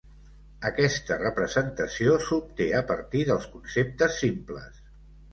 Aquesta representació s'obté a partir dels conceptes simples.